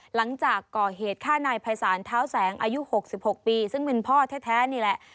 หลังจากก่อเหตุฆ่านายภัยศาลเท้าแสงอายุ๖๖ปีซึ่งเป็นพ่อแท้นี่แหละ